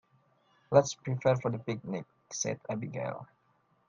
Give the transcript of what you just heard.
"Let's prepare for the picnic!", said Abigail.